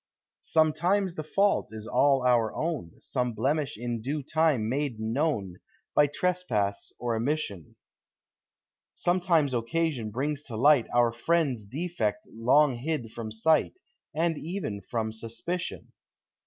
Sometimes the fault is all our own. Some blemish in due time made known, I?v trespass or omission ; Sometimes occasion brings to light Our friend's defect long hid from sight. And eveu from suspicion.